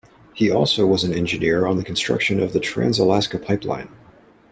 He also was an engineer on the construction of the Trans-Alaska Pipeline.